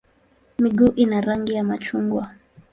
Miguu ina rangi ya machungwa.